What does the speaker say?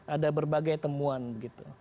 ada berbagai temuan begitu